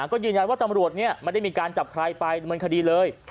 ก็ยืนยันว่าตำรวจไม่ได้มีการจับใครไปดำเนินคดีเลย